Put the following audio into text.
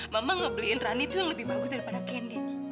mama ngebeliin rani tuh yang lebih bagus daripada candy